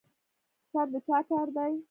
شر د چا کار دی؟